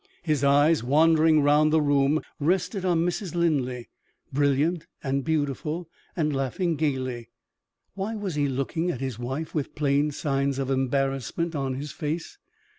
His eyes, wandering round the room, rested on Mrs. Linley brilliant and beautiful, and laughing gayly. Why was he looking at his wife with plain signs of embarrassment in his face?